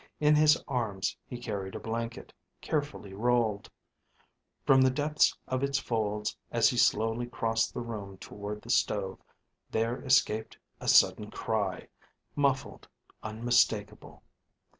In his arms he carried a blanket, carefully rolled. From the depths of its folds, as he slowly crossed the room toward the stove, there escaped a sudden cry, muffled, unmistakable.